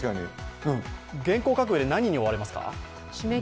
原稿を書く上で何に追われますか？